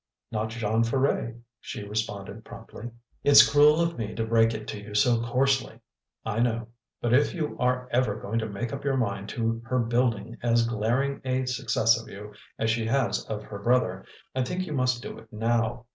"Not Jean Ferret," she responded promptly. "It's cruel of me to break it to you so coarsely I know but if you are ever going to make up your mind to her building as glaring a success of you as she has of her brother, I think you must do it now.